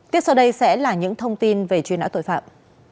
tiếp sau đây sẽ là những thông tin về chuyên áo tội phạm